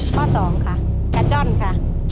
ข้อ๒ค่ะกระจ่อนค่ะ